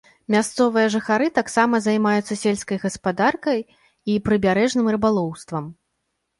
Мясцовыя жыхары таксама займаюцца сельскай гаспадаркай і прыбярэжным рыбалоўствам.